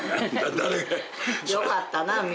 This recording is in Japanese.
よかったな。